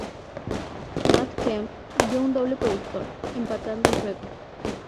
Matt Kemp dio un doble productor, empatando el juego.